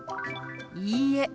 「いいえ」。